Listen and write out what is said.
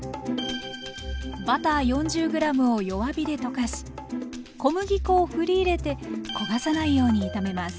バター４０ｇを弱火で溶かし小麦粉をふり入れて焦がさないように炒めます。